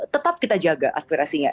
tetap kita jaga aspirasinya